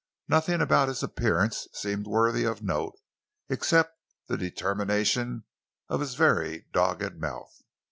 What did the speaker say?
Nothing about his appearance seemed worthy of note except the determination of his very dogged mouth.